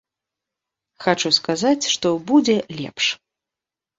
Хачу сказаць, што будзе лепш.